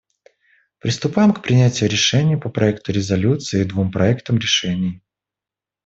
Приступаем к принятию решения по проекту резолюции и двум проектам решений.